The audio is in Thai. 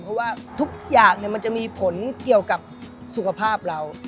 เพราะว่าทุกอย่างมันจะมีผลเกี่ยวกับสุขภาพเรา